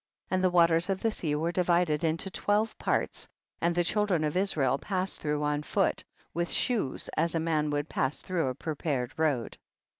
38. And the waters of the sea were divided into twelve parts, and the children of Israel passed through on foot, with shoes, as a man would pass through a prepared road.